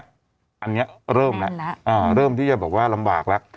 อันเนี้ยเริ่มแล้วแน่นแล้วอ่าเริ่มที่จะบอกว่ารำบากแล้ว